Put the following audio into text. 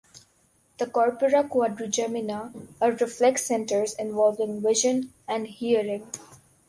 The corpora quadrigemina are reflex centers involving vision and hearing.